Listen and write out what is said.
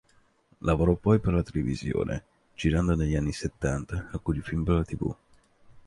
Lavorò poi per la televisione, girando negli anni settanta alcuni film per la tv.